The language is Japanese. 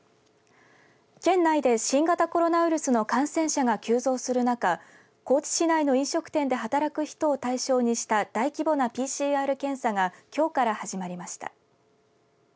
県内で新型コロナウイルスの感染者が急増する中高知市内の飲食店で働く人を対象にした大規模なＰＣＲ検査がきょうから始まりました。